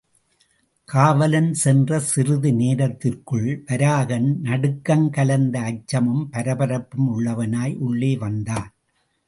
காவலன் சென்ற சிறிது நேரத்திற்குள் வராகன் நடுக்கங்கலந்த அச்சமும் பரபரப்பும் உள்ளவனாய் உள்ளே வந்தான்.